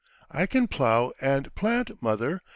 "I can plough and plant, mother.